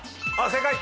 正解！